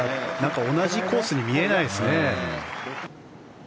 同じコースに見えないですね。